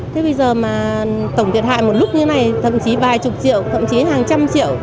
thế bây giờ mà tổng thiệt hại một lúc như này thậm chí vài chục triệu thậm chí hàng trăm triệu